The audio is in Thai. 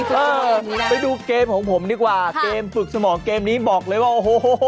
เออไปดูเกมของผมดีกว่าเกมฝึกสมองเกมนี้บอกเลยว่าโอ้โห